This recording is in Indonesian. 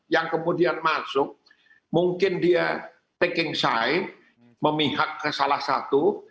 yang kemudian masuk mungkin dia taking side memihak ke salah satu